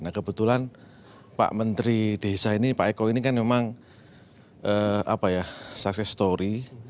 nah kebetulan pak menteri desa ini pak eko ini kan memang sukses story